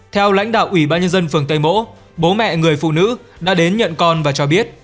theo lãnh đạo ủy ban nhân dân phường tây mỗ bố mẹ người phụ nữ đã đến nhận con và cho biết